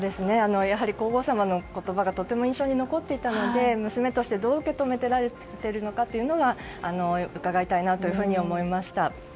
やはり皇后さまの言葉がとても印象に残っていたので娘としてどう受け止められているのかが伺いたいなというふうに思いました。